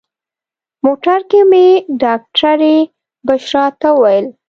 موټر کې مې ډاکټرې بشرا ته وویل.